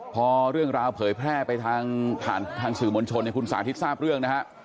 พอเรื่องราวเผยแพร่ไปทางสื่อมณชนสาธิตซากเรื่องนะฮะ